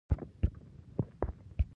• کتاب د تلپاتې پوهې سرچینه ده.